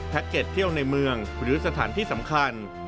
เก็ตเที่ยวในเมืองหรือสถานที่สำคัญ